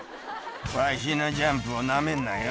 「わしのジャンプをナメんなよ」